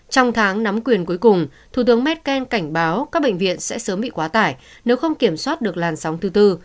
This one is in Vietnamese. trong tháng nắm quyền cuối cùng thủ tướng merkel cảnh báo các bệnh viện sẽ sớm bị quá tải nếu không kiểm soát được làn sóng thứ tư